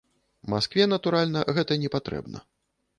Маскве, натуральна, гэта не патрэбна.